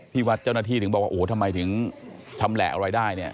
ที่วัดเจ้าหน้าที่ถึงบอกว่าโอ้โหทำไมถึงชำแหละอะไรได้เนี่ย